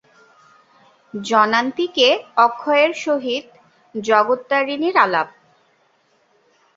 জনান্তিকে অক্ষয়ের সহিত জগত্তারিণীর আলাপ।